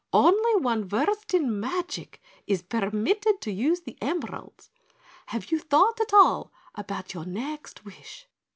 Only one versed in magic is permitted to use the emeralds. Have you thought at all about your next wish?"